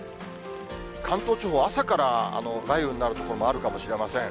関東地方、朝から雷雨になる所もあるかもしれません。